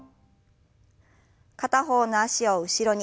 片方の脚を後ろに。